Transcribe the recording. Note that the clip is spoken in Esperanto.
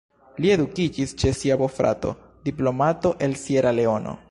Li edukiĝis ĉe sia bofrato, diplomato el Sieraleono.